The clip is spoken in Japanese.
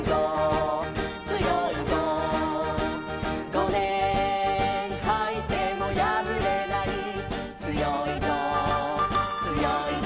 「ごねんはいてもやぶれない」「つよいぞつよいぞ」